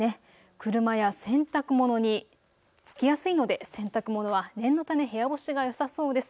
車や洗濯物に付きやすいので洗濯物は念のため部屋干しがよさそうです。